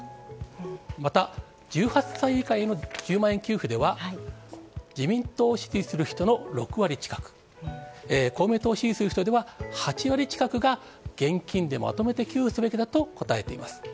また１８歳以下への１０万円給付では、自民党を支持する人の６割近く、公明党を支持する人では８割近くが、現金でまとめて給付すべきだと答えています。